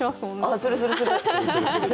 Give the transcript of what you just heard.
あっするするする！